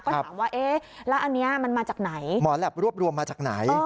ก็ถามว่าเอ๊ะแล้วอันนี้มันมาจากไหนหมอแหลปรวบรวมมาจากไหน